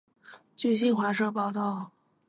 据新华社报道